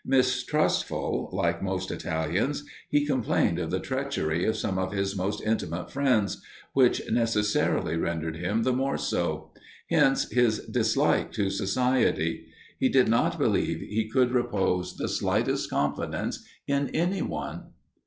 Mistrustful, like most Italians, he complained of the treachery of some of his most intimate friends, which necessarily rendered him the more so; hence his dislike to society he did not believe he could repose the slightest confidence in any one.